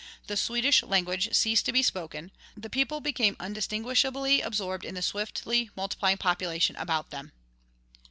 The Swedish language ceased to be spoken; the people became undistinguishably absorbed in the swiftly multiplying population about them.